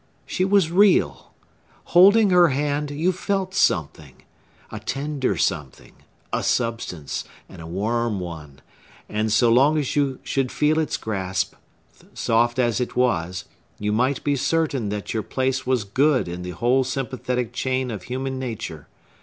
She was real! Holding her hand, you felt something; a tender something; a substance, and a warm one: and so long as you should feel its grasp, soft as it was, you might be certain that your place was good in the whole sympathetic chain of human nature.